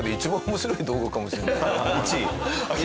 １位？